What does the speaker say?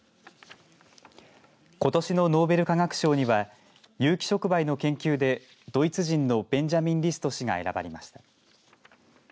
ことしのノーベル化学賞には有機触媒の研究でドイツ人のベンジャミン・リスト氏が選ばれました。